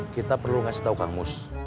kita perlu ngasih tau kang mus